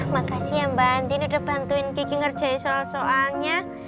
makasih ya mbak andina udah bantuin kiki ngerjain soal soalnya